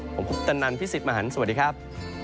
ผมคุปตนันพี่สิทธิ์มหันฯสวัสดีครับ